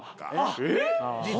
えっ？